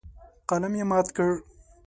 قلم یې مات کړ.